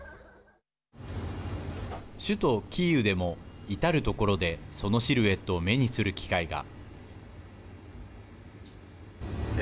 首都キーウでも至る所でそのシルエットを目にする機会が。